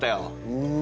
うん。